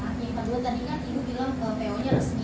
artinya berdua tadi kan ibu bilang ke po nya resmi